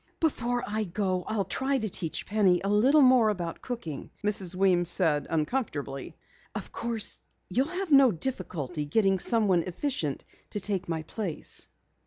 "Before I go, I'll try to teach Penny a little more about cooking," Mrs. Weems said uncomfortably. "Of course, you'll have no difficulty in getting someone efficient to take my place."